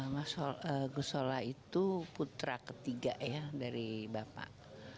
mas gusola itu putra ketiga ya dari bapak